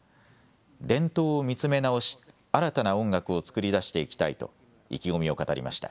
伝統を見つめ直し新たな音楽を作り出していきたいと意気込みを語りました。